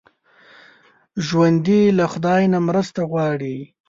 ژوندي له خدای نه مرسته غواړي